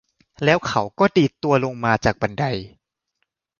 แล้วเขาก็ดีดตัวลงมาจากบันได